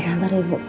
jangan sabar ya bu